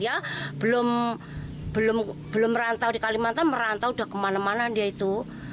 ya belum merantau di kalimantan merantau udah kemana mana dia itu